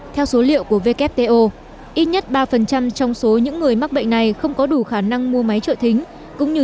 theo số liệu của wto ít nhất ba trong số những người mắc bệnh này không có đủ khả năng mua máy trợ thính cũng như